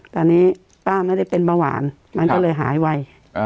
ตอนนี้ป้าไม่ได้เป็นเบาหวานมันก็เลยหายไว